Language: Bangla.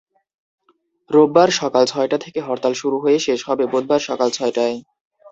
রোববার সকাল ছয়টা থেকে হরতাল শুরু হয়ে শেষ হবে বুধবার সকাল ছয়টায়।